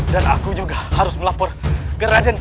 dan aku juga harus melapor ke raden tomorrow